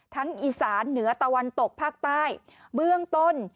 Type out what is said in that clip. อีสานเหนือตะวันตกภาคใต้เบื้องต้น